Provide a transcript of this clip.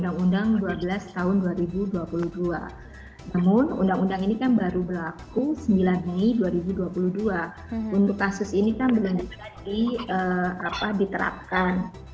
kasus ini kan belum diperlukan diterapkan